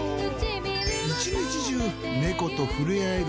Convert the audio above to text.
１日中ネコとふれあえる